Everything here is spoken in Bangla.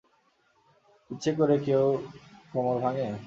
ইচ্ছে করে পড়ে কেউ কোমর ভাঙে?